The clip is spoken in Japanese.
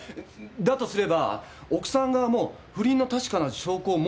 だとすれば奥さん側も不倫の確かな証拠を持ってない可能性もありますよね？